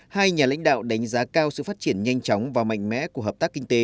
hai nhà lãnh đạo đánh giá cao sự phát triển nhanh chóng và mạnh mẽ của hợp tác kinh tế